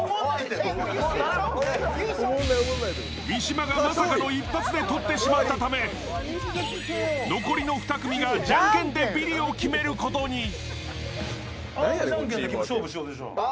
三島がまさかの一発で取ってしまったため残りの２組みがじゃんけんでビリを決めることに。